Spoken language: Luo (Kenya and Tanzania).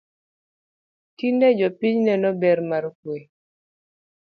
Tinde jopiny neno ber mar kwe